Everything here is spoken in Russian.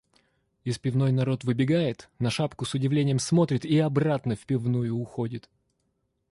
Из пивной народ выбегает, на шапку с удивлением смотрит и обратно в пивную уходит.